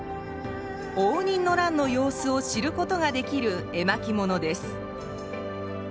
応仁の乱の様子を知ることができる絵巻物です。